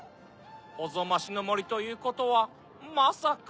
おぞましのもりということはまさか。